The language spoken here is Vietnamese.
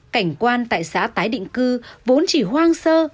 cảnh quan tại xã tái định cư vốn chỉ hoang sơ